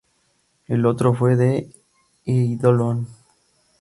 El otro fue "The Eidolon".